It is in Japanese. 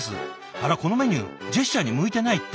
あらこのメニュージェスチャーに向いてないって。